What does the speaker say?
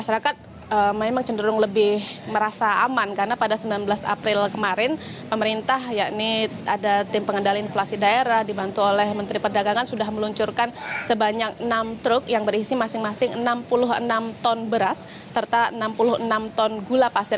masyarakat memang cenderung lebih merasa aman karena pada sembilan belas april kemarin pemerintah yakni ada tim pengendali inflasi daerah dibantu oleh menteri perdagangan sudah meluncurkan sebanyak enam truk yang berisi masing masing enam puluh enam ton beras serta enam puluh enam ton gula pasir